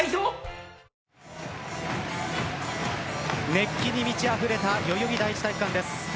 熱気に満ちあふれた代々木第一体育館です。